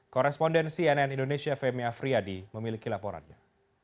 korrespondensi nn indonesia femya friyadi memiliki laporannya